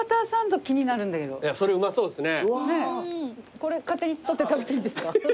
これ勝手に取って食べていいんですか？